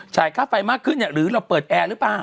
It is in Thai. ค่าไฟมากขึ้นหรือเราเปิดแอร์หรือเปล่า